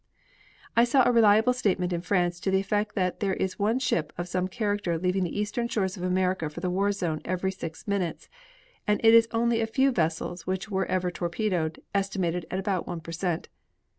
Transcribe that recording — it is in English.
1 saw a reliable statement in France to the effect that there is one ship of some character leaving the eastern shores of America for the war zone every six minutes, and it is only a few vessels which are ever torpedoed, estimated at about one per cent.